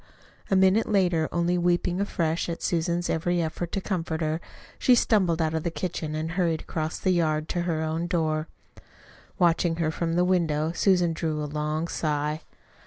A minute later, only weeping afresh at Susan's every effort to comfort her, she stumbled out of the kitchen and hurried across the yard to her own door. Watching her from the window, Susan drew a long sigh.